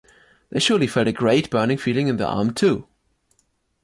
They surely felt a great burning feeling in the arm, too!